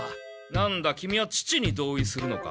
なんだキミは父に同意するのか？